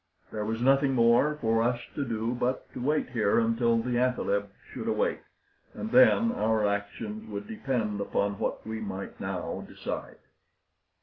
There was nothing more for us to do but to wait here until the athaleb should awake, and then our actions would depend upon what we might now decide.